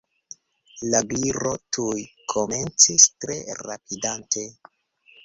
La Gliro tuj komencis, tre rapidante.